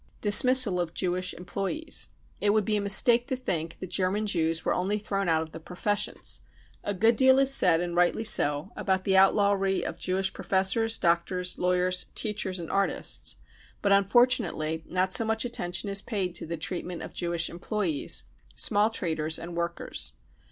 Dismissal of Jewish Employees. It would be a mistake to think that German Jews were only thrown out of the professions. A good deal is said, and rightly so, about the outlawry of Jewish professors, doctors, lawyers, teachers and artists ; but unfortunately not so much attention is paid to the treatment of Jewish employees, small traders and workers.